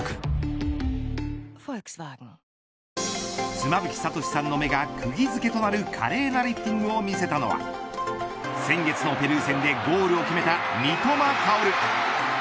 妻夫木聡さんの目がくぎ付けとなる華麗なリフティングを見せたのは先月のペルー戦でゴールを決めた三笘薫。